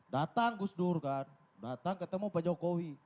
datang gus dur kan datang ketemu pak jokowi